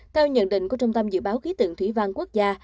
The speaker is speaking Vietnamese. theo nhận định của trung tâm dự báo khí tượng thủy văn quốc gia